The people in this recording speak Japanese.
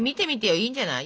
いいんじゃない？